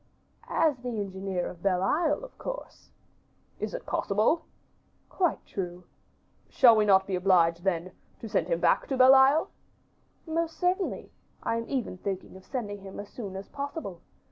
"As the engineer of Belle Isle, of course." "Is it possible?" "Quite true." "Shall we not be obliged, then, to send him back to Belle Isle?" "Most certainly; I am even thinking of sending him as soon as possible.